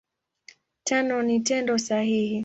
Tano ni Tendo sahihi.